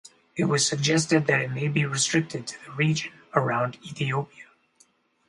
It was suggested that it may be restricted to the region around Ethiopia.